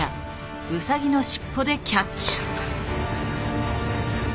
ウサギの尻尾でキャッチ。